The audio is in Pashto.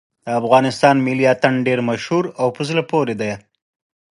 د افغانستان ملي اتڼ ډېر مشهور او په زړه پورې دی.